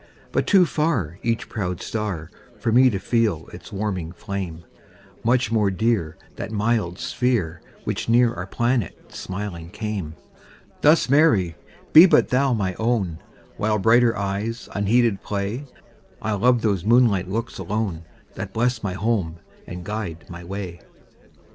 But too farEach proud star, For me to feel its warming flame; Much more dear, That mild sphere, Which near our planet smiling came; Thus, Mary, be but thou my own; While brighter eyes unheeded play, I'll love those moonlight looks alone, That bless my home and guide my way.